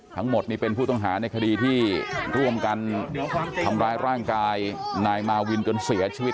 ทั้งหมดนี่เป็นผู้ต้องหาในคดีที่ร่วมกันทำร้ายร่างกายนายมาวินจนเสียชีวิต